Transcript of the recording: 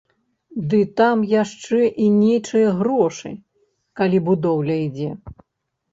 Ды там яшчэ і нечыя грошы, калі будоўля ідзе.